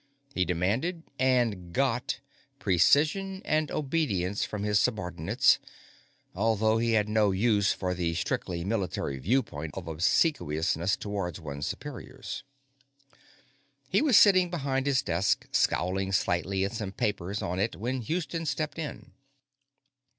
He demanded and got precision and obedience from his subordinates, although he had no use for the strictly military viewpoint of obsequiousness towards one's superiors. He was sitting behind his desk, scowling slightly at some papers on it when Houston stepped in.